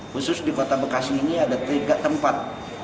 khusus di kota bekasi ini ada tiga tempat